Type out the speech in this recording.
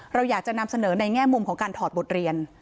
เราอยากจะนำเสนอในแง่มุมของการถอดบทเรียน